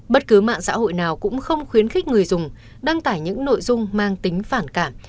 bất cứ mạng xã hội nào cũng không khuyến khích người dùng đăng tải những nội dung mang tính phản cảm